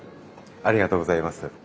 ありがとうございます。